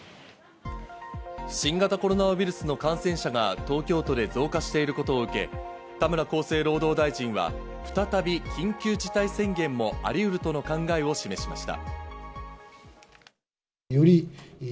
新型コロナウイルスの感染者が東京都で増加していることを受け、田村厚生労働大臣は再び緊急事態宣言もありうるとの考えを示しました。